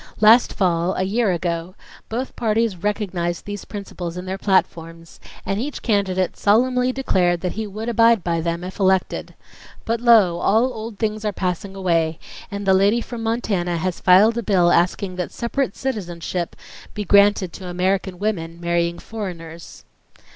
Last fall, a year ago, both parties recognized those principles in their platforms, and each candidate solemnly declared that he would abide by them if elected. But lo, all old things are passing away, and the lady from Montana has filed a bill asking that separate citizenship be granted to American women marrying foreigners."